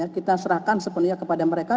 kita serahkan sepenuhnya kepada mereka